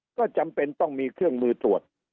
ก็จำเป็นต้องมีเครื่องมือตรวจ